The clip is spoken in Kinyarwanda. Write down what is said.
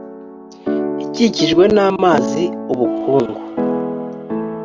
ikikijwe n amazi ubukungu